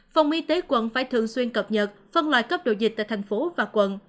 phòng y tế quận phải thường xuyên cập nhật phân loại cấp độ dịch tại thành phố và quận